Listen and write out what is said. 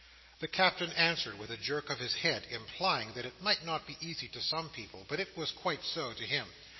The Captain answered with a jerk of his head, implying that it might not be easy to some people, but was quite so to him.